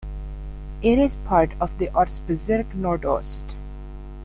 It is part of the "Ortsbezirk Nord-Ost".